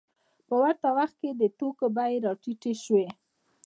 په ورته وخت کې د توکو بیې راټیټې شوې